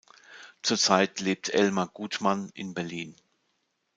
Zurzeit lebt Elmar Gutmann in Berlin.